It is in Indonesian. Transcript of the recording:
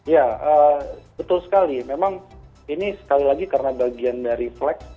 ya betul sekali memang ini sekali lagi karena bagian dari flex